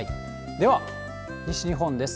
では、西日本です。